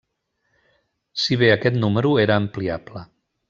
Si bé aquest número era ampliable.